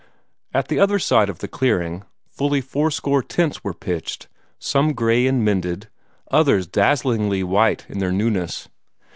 At the other side of the clearing, fully fourscore tents were pitched, some gray and mended, others dazzlingly white in their newness.